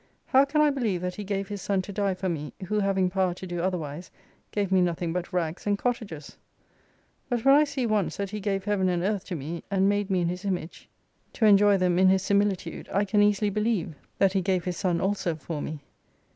How can I believe that He gave His Son to die for me, who having power to do otherwise gave me nothing but rags and cottages ? But when I see once that He gave Heaven and Earth to me, and made me in His image to enjoy them in His similitude, I can easily believe that He gave His Son 83 also for me.